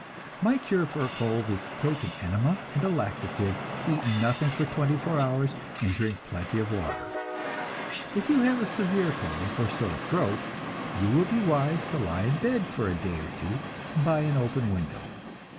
My cure for a cold is to take an enema and a laxative, eat nothing for twenty four hours, and drink plenty of water. If you have a severe cold or sore throat, you will be wise to lie in bed for a day or two, by an open window.